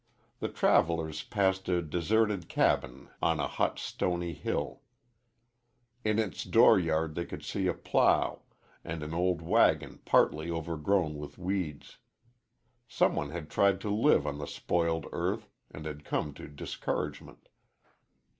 The travellers passed a deserted cabin on a hot, stony hill. In its door yard they could see a plough and an old wagon partly overgrown with weeds. Some one had tried to live on the spoiled earth and had come to discouragement.